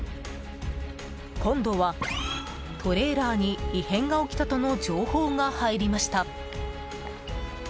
今度はトレーラーに、異変が起きたとの情報が入りました。